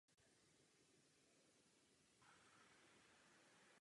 Slyšel jsem, co jste řekl.